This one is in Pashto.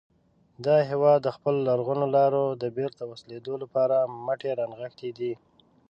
دغه هیواد د خپلو لرغونو لارو د بېرته وصلېدو لپاره مټې را نغښتې دي.